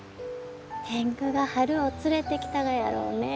天狗が春を連れてきたがやろうね。